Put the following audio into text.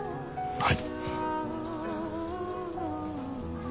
はい？